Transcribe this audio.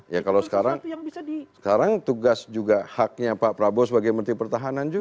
ya kalau sekarang tugas juga haknya pak prabowo sebagai menteri pertahanan juga